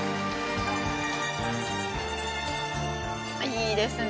いいですね！